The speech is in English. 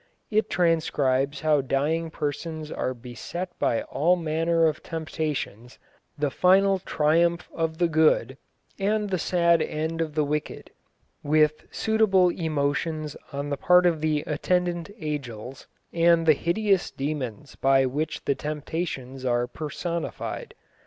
It describes how dying persons are beset by all manner of temptations, the final triumph of the good, and the sad end of the wicked, with suitable emotions on the part of the attendant angels, and the hideous demons by which the temptations are personified.